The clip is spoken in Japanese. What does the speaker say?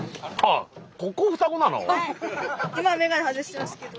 今眼鏡外してますけど。